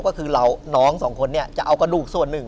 ก็คือเราน้องสองคนเนี่ยจะเอากระดูกส่วนหนึ่ง